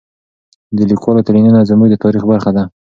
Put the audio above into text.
د لیکوالو تلینونه زموږ د تاریخ برخه ده.